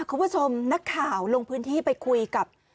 คุณผู้ชมนักข่าวลงพื้นที่ไปคุยกับ